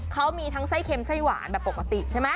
เขามีทั้งไส้เค็มไส้หวานแบบปกติใช่ไหม